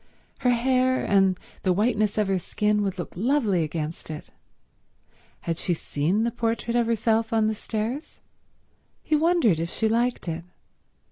Her hair and the whiteness of her skin would look lovely against it. Had she seen the portrait of herself on the stairs? He wondered if she liked it.